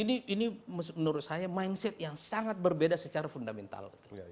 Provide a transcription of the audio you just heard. ini menurut saya mindset yang sangat berbeda secara fundamental